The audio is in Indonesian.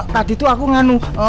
tadi tuh aku nganu